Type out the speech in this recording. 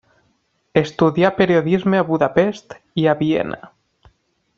Estudià periodisme a Budapest i a Viena.